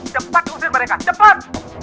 cepat usir mereka cepat